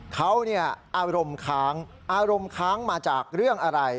เขาอารมณ์ค้างอารมณ์ค้างมาจากเรื่องอะไร